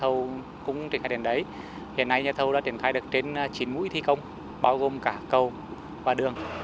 thầu cũng triển khai đến đấy hiện nay nhà thầu đã triển khai được trên chín mũi thi công bao gồm cả cầu và đường